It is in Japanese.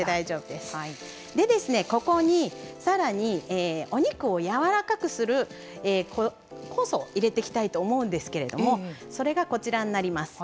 でここに更にお肉をやわらかくする酵素を入れてきたいと思うんですけれどもそれがこちらになります。